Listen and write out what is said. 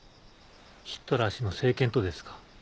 ヒットラー氏の政権とですか？